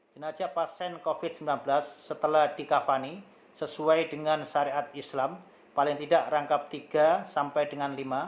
jenajah pasien covid sembilan belas setelah dikavani sesuai dengan syariat islam paling tidak rangkap tiga sampai dengan lima